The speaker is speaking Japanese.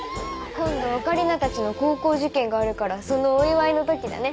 今度オカリナたちの高校受験があるからそのお祝いの時だね。